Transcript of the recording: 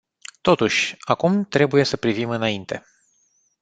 Totuși, acum trebuie să privim înainte.